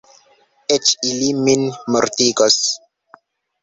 Eĉ ili min mortigos.